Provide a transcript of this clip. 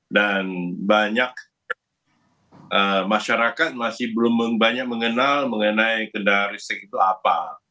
dan banyak masyarakat masih belum banyak mengenal mengenai kendaraan listrik itu apa